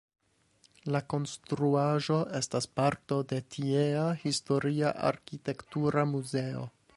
La konstruaĵo estas parto de tiea Historia Arkitektura muzeo.